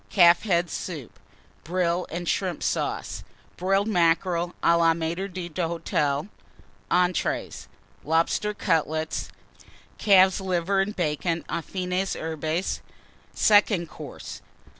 Calf's Head Soup. Brill and Shrimp Sauce. Broiled Mackerel à la Maître d'Hôtel. ENTREES. Lobster Cutlets. Calf's Liver and Bacon, aux fines herbes. SECOND COURSE.